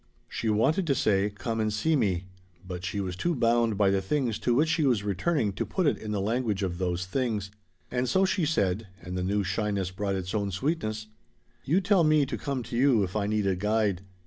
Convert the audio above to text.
She wanted to say, "Come and see me," but she was too bound by the things to which she was returning to put it in the language of those things. And so she said, and the new shyness brought its own sweetness: "You tell me to come to you if I need a guide.